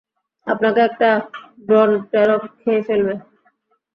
আপনাকে একটা ব্রনটেরক খেয়ে ফেলবে!